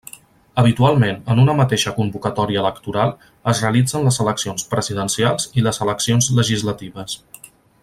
Habitualment en una mateixa convocatòria electoral es realitzen les eleccions presidencials i les eleccions legislatives.